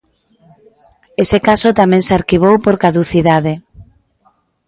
Ese caso tamén se arquivou por caducidade.